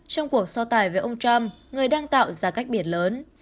trong cuộc so tài với ông trump người đang tạo ra cách biệt lớn